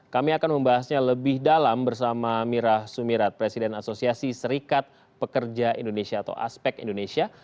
kami akan membahasnya lebih dalam bersama mirah sumirat presiden asosiasi serikat pekerja indonesia atau aspek indonesia